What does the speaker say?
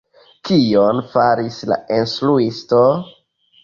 Kion faris la instruisto?